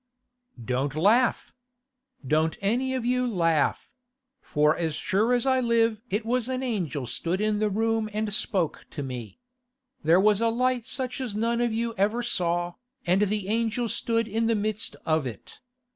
'Don't laugh! Don't any of you laugh; for as sure as I live it was an angel stood in the room and spoke to me. There was a light such as none of you ever saw, and the angel stood in the midst of it.